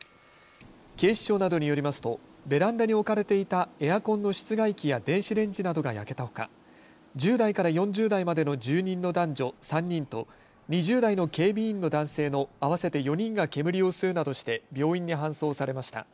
警視庁などによりますとベランダに置かれていたエアコンの室外機や電子レンジなどが焼けたほか１０代から４０代までの住人の男女３人と２０代の警備員の男性の合わせて４人が煙を吸うなどして病院に搬送されました。